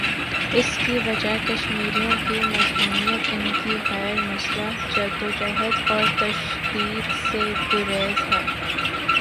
اس کی وجہ کشمیریوں کی مظلومیت، ان کی غیر مسلح جد وجہد اور تشدد سے گریز ہے۔